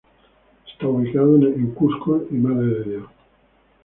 Está ubicado en Cusco y Madre de Dios.